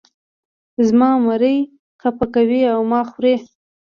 زما مرۍ خپه کوې او ما خورې.